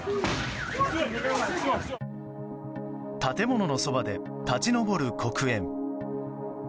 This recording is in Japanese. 建物のそばで立ち上る黒煙。